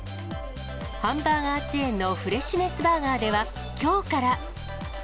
ハンバーガーチェーンのフレッシュネスバーガーでは、きょうから。